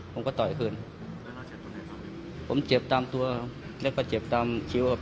ผมก็ต่อยคืนผมเจ็บตามตัวครับแล้วก็เจ็บตามชิ้วครับ